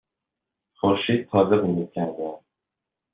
خورشید تازه غروب کرده است.